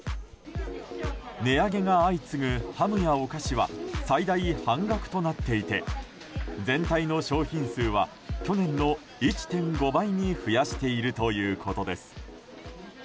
値上げが相次ぐハムやお菓子は最大半額となっていて全体の商品数は去年の１．５倍に増やしているということです。